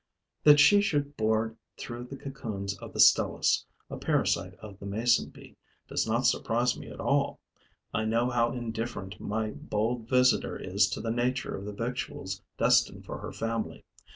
That she should bore through the cocoons of the Stelis, a parasite of the mason bee, does not surprise me at all: I know how indifferent my bold visitor is to the nature of the victuals destined for her family.